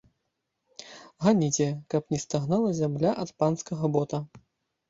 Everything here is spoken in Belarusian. Ганіце, каб не стагнала зямля ад панскага бота.